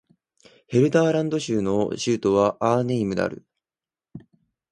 ヘルダーラント州の州都はアーネムである